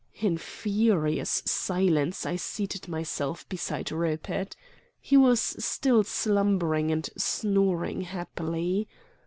In furious silence I seated myself beside Rupert. He was still slumbering and snoring happily.